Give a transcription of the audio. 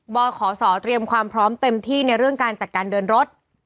บขศเตรียมความพร้อมเต็มที่ในเรื่องการจัดการเดินรถ